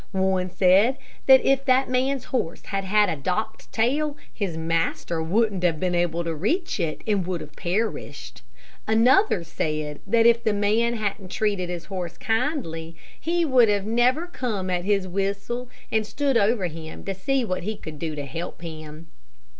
One said that if that man's horse had had a docked tail, his master wouldn't have been able to reach it, and would have perished. Another said that if the man hadn't treated his horse kindly, he never would have come at his whistle, and stood over him to see what he could do to help him.